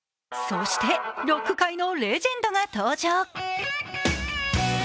そしてロック界のレジェンドが登場。